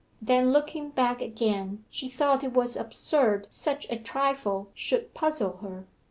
Then looking back again she thought it was absurd such a trifle should puzzle her.